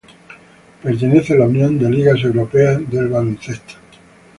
Pertenece a la Unión de Ligas Europeas de Baloncesto.